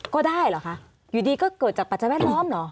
ก็ได้เหรอคะอยู่ดีก็เกิดจากปัจจัยแวดล้อมเหรอ